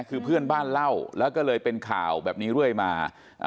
คือเพื่อนบ้านเล่าแล้วก็เลยเป็นข่าวแบบนี้เรื่อยมา